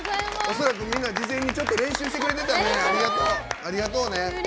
恐らく、みんな事前にちょっと練習してくれててありがとうね。